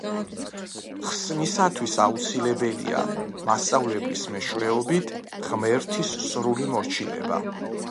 ხსნისათვის აუცილებელია, მასწავლებლის მეშვეობით, ღმერთის სრული მორჩილება.